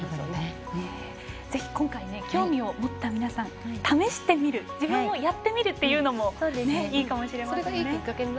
ぜひ今回興味を持った皆さん試してみる、自分もやってみるというのも１つかもしれません。